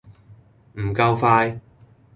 唔夠快